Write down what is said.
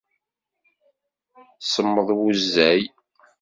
Semmeḍ wuzal.